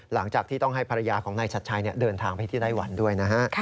หลังจากที่ต้องให้ภรรยาของนายชัดชัยเดินทางไปที่ไต้หวันด้วยนะฮะ